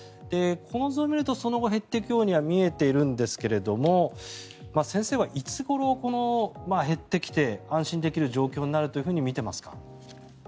この図を見るとその後減っていくようには見えているんですが先生はいつごろ減ってきて安心できる状況になると見ていますか？